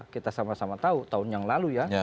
kita sama sama tahu tahun yang lalu ya